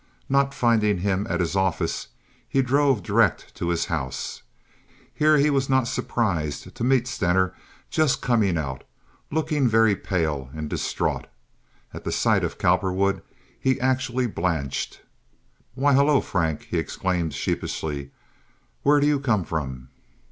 Not finding him at his office, he drove direct to his house. Here he was not surprised to meet Stener just coming out, looking very pale and distraught. At the sight of Cowperwood he actually blanched. "Why, hello, Frank," he exclaimed, sheepishly, "where do you come from?"